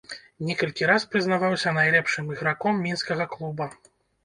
Некалькі раз прызнаваўся найлепшым іграком мінскага клуба.